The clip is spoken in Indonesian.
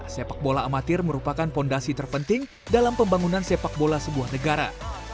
sepak bola amatir merupakan fondasi terpenting dalam pembangunan sepak bola sebuah negara